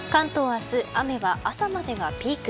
明日、雨は朝までがピーク。